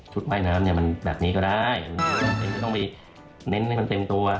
ว่ายน้ำเนี่ยมันแบบนี้ก็ได้เน้นต้องไปเน้นให้มันเต็มตัว